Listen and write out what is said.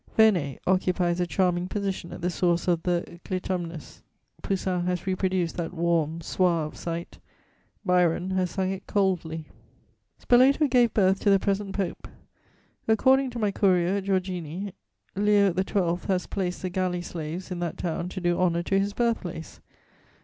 'Vene' occupies a charming position at the source of the Clitumnus. Poussin has reproduced that warm, suave site; Byron has sung it coldly. "Spoleto gave birth to the present Pope. According to my courier Giorgini, Leo XII. has placed the galley slaves in that town to do honour to his birthplace.